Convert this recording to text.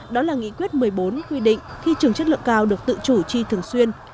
đó là nghị quyết một mươi bốn quy định khi trường chất lượng cao được tự chủ chi thường xuyên